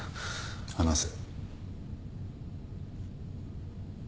話せ。